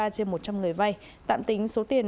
ba mươi ba trên một trăm linh người vay tạm tính số tiền